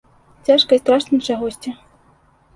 Цяжка і страшна чагосьці.